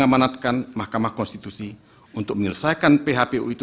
dan mengajukan mahkamah konstitusi untuk menyelesaikan phpu itu